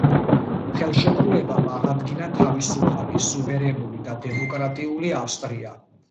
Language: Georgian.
ხელშეკრულებამ აღადგინა თავისუფალი, სუვერენული და დემოკრატიული ავსტრია.